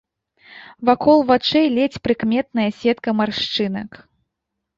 Вакол вачэй ледзь прыкметная сетка маршчынак.